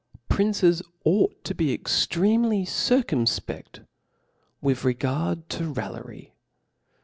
PRINCES ought to be extremely circumfpe^ with regard to raillery.